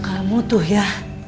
kamu tuh ya